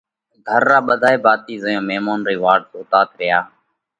گھر را ٻڌائي ڀاتِي زئيون ميمونَ رئي واٽ زوتات ريا،